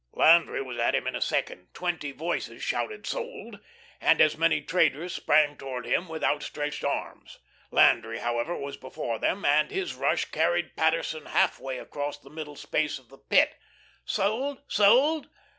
Landry was at him in a second. Twenty voices shouted "sold," and as many traders sprang towards him with outstretched arms. Landry, however, was before them, and his rush carried Paterson half way across the middle space of the Pit. "Sold, sold."